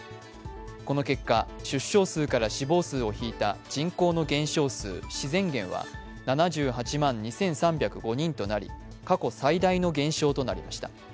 この結果、出生数から死亡数を引いた人口の減少数、自然減は７８万２３０５人となり過去最大の減少となりました。